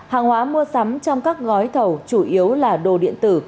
hàng hóa mua sắm trong các gói thầu chủ yếu là đồ điện tử